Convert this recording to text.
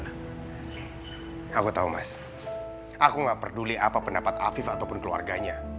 aku tahu mas aku nggak peduli apa pendapat afif ataupun keluarganya